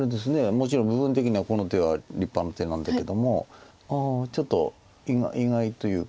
もちろん部分的にはこの手は立派な手なんだけどもちょっと意外というか。